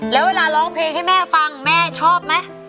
แล้วเวลาร้องเพลงให้แม่ฟังแม่ชอบไหม